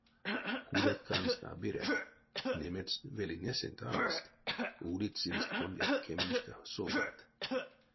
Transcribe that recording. Кулят кандсь а берянть: немецть велинесэнть арасть, улить сынст кондят кеменьшка солдатт.